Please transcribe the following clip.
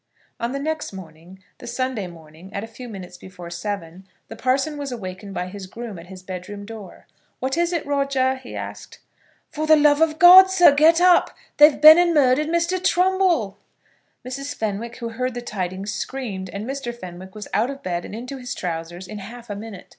On the next morning, the Sunday morning, at a few minutes before seven, the parson was awakened by his groom at his bedroom door. "What is it, Roger?" he asked. "For the love of God, sir, get up! They've been and murdered Mr. Trumbull." Mrs. Fenwick, who heard the tidings, screamed; and Mr. Fenwick was out of bed and into his trousers in half a minute.